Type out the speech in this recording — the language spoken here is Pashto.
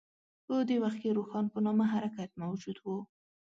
په دې وخت کې روښان په نامه حرکت موجود و.